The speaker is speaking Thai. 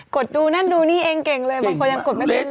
กดนั่นเดรียนดูนี้เองเก่งเลยบางคนยังกดไม่เป็นรึไม๊